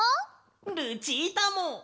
ルチータも。